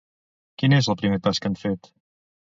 Quin és el primer pas que han fet?